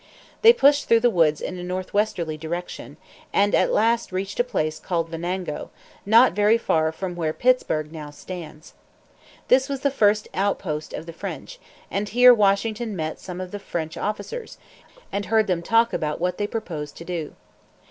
They pushed through the woods in a northwestwardly direction, and at last reached a place called Venango, not very far from where Pittsburg now stands. This was the first outpost of the French; and here Washington met some of the French officers, and heard them talk about what they proposed to do.